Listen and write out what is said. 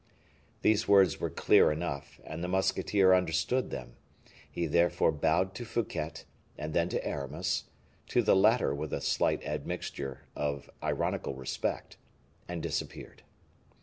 These words were clear enough, and the musketeer understood them; he therefore bowed to Fouquet, and then to Aramis, to the latter with a slight admixture of ironical respect, and disappeared.